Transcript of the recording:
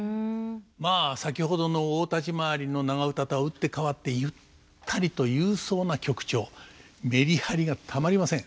まあ先ほどの大立ち回りの長唄とは打って変わってメリハリがたまりません。